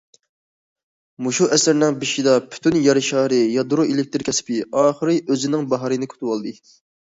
مۇشۇ ئەسىرنىڭ بېشىدا، پۈتۈن يەر شارى يادرو ئېلېكتىر كەسپى ئاخىرى ئۆزىنىڭ باھارىنى كۈتۈۋالدى.